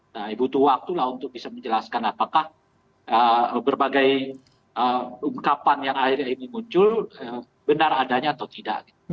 nah butuh waktu lah untuk bisa menjelaskan apakah berbagai ungkapan yang akhirnya ini muncul benar adanya atau tidak